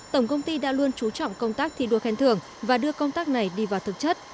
tổng công ty đã luôn trú trọng công tác thi đua khen thưởng và đưa công tác này đi vào thực chất